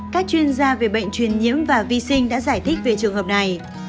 các chuyên gia về bệnh truyền nhiễm và vi sinh đã giải thích về trường hợp này